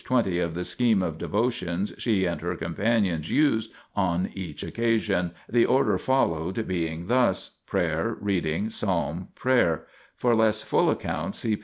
20 of the scheme of devotions she and her companions used on each occasion, the order followed being this : prayer, reading, psalm, prayer ; for less full accounts see pp.